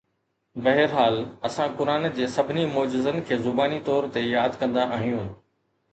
بهرحال، اسان قرآن جي سڀني معجزن کي زباني طور تي ياد ڪندا آهيون